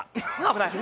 危ない。